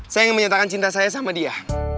saya ingin menyatakan cinta saya sama dia